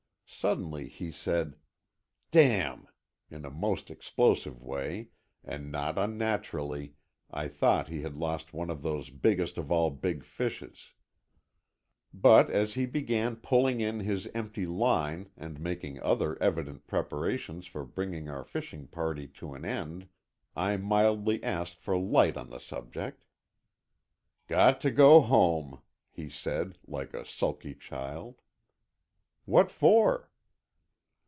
Suddenly he said, "Damn!" in a most explosive way, and not unnaturally I thought he had lost one of those biggest of all big fishes. But as he began pulling in his empty line and making other evident preparations for bringing our fishing party to an end, I mildly asked for light on the subject. "Got to go home," he said, like a sulky child. "What for?"